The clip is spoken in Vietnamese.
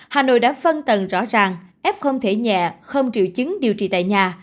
hà nội đã phân tầng rõ ràng f không thể nhẹ không triệu chứng điều trị tại nhà